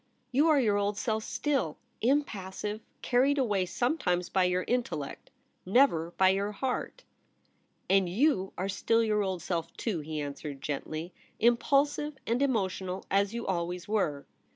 You are your old self still — im passive — carried away sometimes by your intellect — never by your heart.' * And you are still your old self, too,' he answered gently —* impulsive and emotional as you always were.'